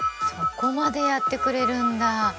そこまでやってくれるんだ！